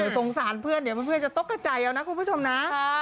สงสารเพื่อนเดี๋ยวเพื่อนจะตกกระใจเอานะคุณผู้ชมนะ